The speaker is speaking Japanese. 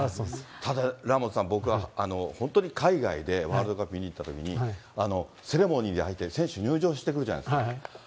ただラモスさん、僕は本当に海外でワールドカップ見に行ったときに、セレモニーで選手、入場してくるじゃないですか。